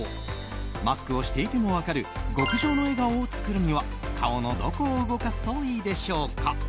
マスクをしていても分かる極上の笑顔を作るには顔のどこを動かすといいでしょうか？